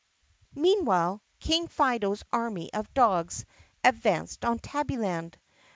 M EANWHILE King Fido's army of dogs advanced on Tabbyland.